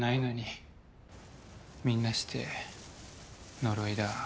みんなして呪いだ